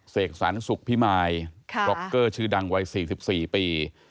เสกสรรสุขพิมายบร็อกเกอร์ชื่อดังวัย๔๔ปี